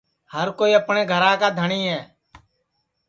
ہر کوئی اپٹؔے گھرا کا دھٹؔی ہے